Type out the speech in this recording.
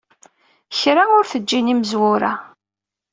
Kra ur t-ǧǧin imezwura.